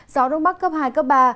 gió đông bắc cấp hai cấp ba